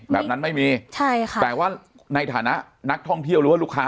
แบบนั้นไม่มีใช่ค่ะแต่ว่าในฐานะนักท่องเที่ยวหรือว่าลูกค้า